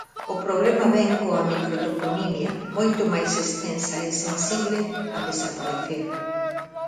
O problema vén coa microtoponimia, moito máis extensa e sensible a desaparecer.